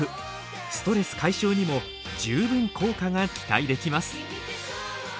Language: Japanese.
ストレス解消にも十分効果が期待できます。